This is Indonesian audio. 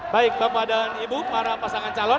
baik bapak dan ibu para pasangan calon